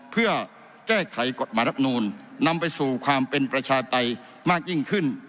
เพื่อแก้ไขกฎหมายรับนูลนำไปสู่ความเป็นประชาไตยมากยิ่งขึ้น